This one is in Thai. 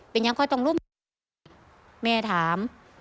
เป็นยังค่อยต้องลุมแม่ถาม